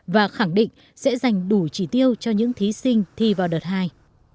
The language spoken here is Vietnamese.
và khẳng định sẽ dành đủ trí tiêu cho những thí sinh thi vào đợt hai